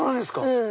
うん。